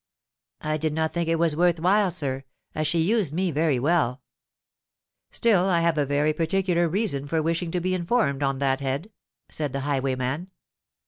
"I did not think it was worth while, sir—as she used me very well——" "Still I have a very particular reason for wishing to be informed on that head," said the highwayman.